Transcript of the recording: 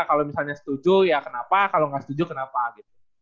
kalau misalnya setuju ya kenapa kalau nggak setuju kenapa gitu